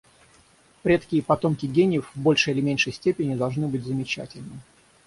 Предки и потомки гениев в большей или меньшей степени должны быть замечательны.